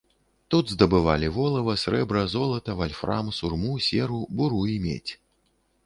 Тут здабывалі волава, срэбра, золата, вальфрам, сурму, серу, буру і медзь.